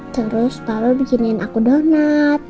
terus papa bikinin aku donat